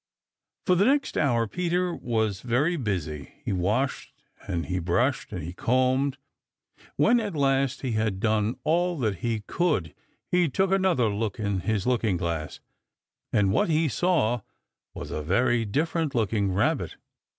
For the next hour Peter was very busy. He washed and he brushed and he combed. When, at last, he had done all that he could, he took another look in his looking glass, and what he saw was a very different looking Rabbit.